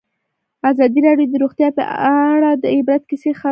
ازادي راډیو د روغتیا په اړه د عبرت کیسې خبر کړي.